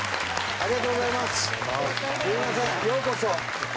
ありがとうございます。